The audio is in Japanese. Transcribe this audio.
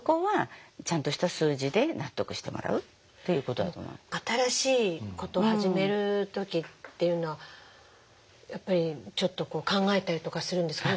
ただやっぱり新しいことを始める時っていうのはやっぱりちょっと考えたりとかするんですか？